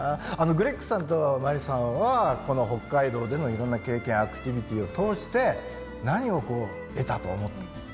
グレッグさんと真理さんはこの北海道でのいろんな経験アクティビティーを通して何を得たと思いますか？